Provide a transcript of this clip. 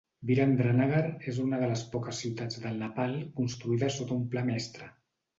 Birendranagar és una de les poques ciutats del Nepal construïdes sota un pla mestre.